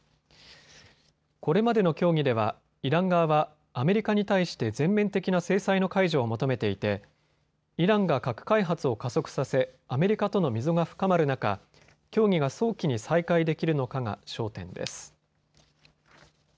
これまでの協議では、イラン側はアメリカに対して全面的な制裁の解除を求めていてイランが核開発を加速させアメリカとの溝が深まる中、協議が早期に再開できるのかが焦点です。